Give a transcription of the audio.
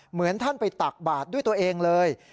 เหมือนท่านไปตักบาทด้วยตัวเองเลย